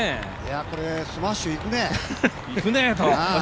これスマッシュいくね。